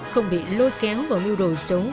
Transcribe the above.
không bị lôi kéo vào mưu đồ sống